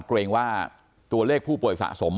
เกรงว่าตัวเลขผู้ป่วยสะสม